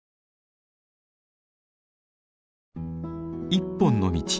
「一本の道」。